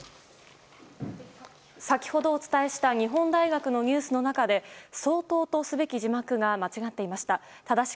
先ほどお伝えした日本大学のニュースの中で相当とすべき字幕が間違っていました。